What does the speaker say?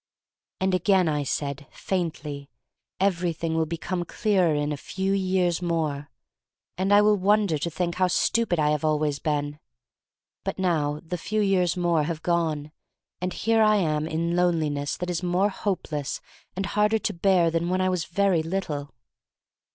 And again I said — faintly — everything will become clearer in a few years more, and I will wonder to think how stupid I have always been. But now the few years more have gone and here I am in loneliness that is more hope less and harder to bear than when I was very little.